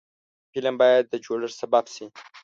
فلم باید د جوړښت سبب شي